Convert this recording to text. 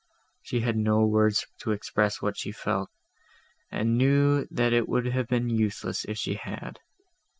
She had no words to express what she felt, and knew, that it would have been useless, if she had.